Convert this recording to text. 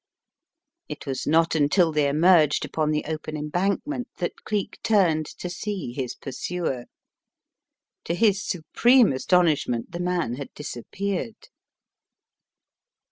It was not until they emerged upon the open embankment that Cleek turned to see his pursuer* To his supreme astonishment, the man had disap peared!